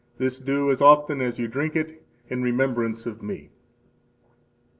This do, as often as you drink it, in remembrance of Me."